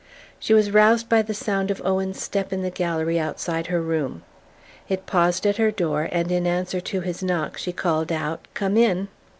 She was roused by the sound of Owen's step in the gallery outside her room. It paused at her door and in answer to his knock she called out "Come in!"